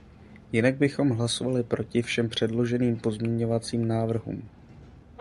Jinak bychom hlasovali proti všem předloženým pozměňovacím návrhům.